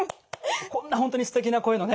こんな本当にすてきな声のね